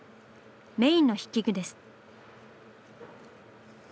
メインの筆記具です。